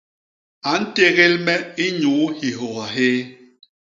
A ntégél me inyuu hihôha hyéé.